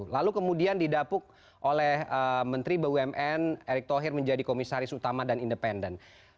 lalu kemudian didapuk oleh menteri bumn erick thohir menjadi komisaris utama dan independen